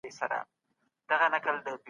هغه کلمه چي رښتيا وي پر زړه کښېني.